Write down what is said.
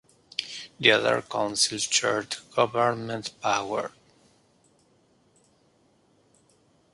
The other councils shared government power.